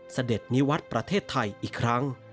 เสด็จนิวัตรประเทศไทยอีกครั้ง